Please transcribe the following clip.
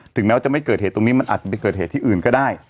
แม้ว่าจะไม่เกิดเหตุตรงนี้มันอาจจะไปเกิดเหตุที่อื่นก็ได้